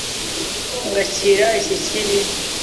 Ngakira iki kibi